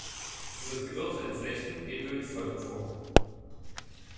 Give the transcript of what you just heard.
Um das Gewirr zu entflechten, gehen wir wie folgt vor.